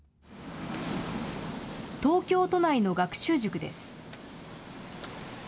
東京都内の学習塾です。